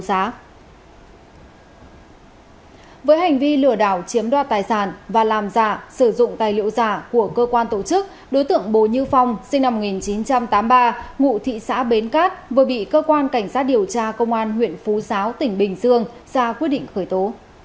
với hành vi lừa đảo chiếm đoạt tài sản và làm giả sử dụng tài liệu giả của cơ quan tổ chức đối tượng bùi như phong sinh năm một nghìn chín trăm tám mươi ba ngụ thị xã bến cát vừa bị cơ quan cảnh sát điều tra công an huyện phú giáo tỉnh bình dương ra quyết định khởi tố